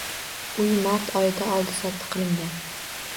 Uy mart oyida oldi-sotdi qilingan.